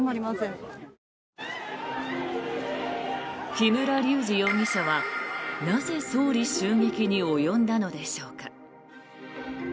木村隆二容疑者はなぜ、総理襲撃に及んだのでしょうか。